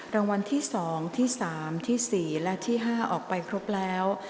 รางวัลที่สองที่สามที่สี่และที่ห้าออกไปครบแล้ว